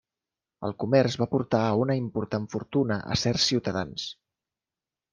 El comerç va portar a una important fortuna a certs ciutadans.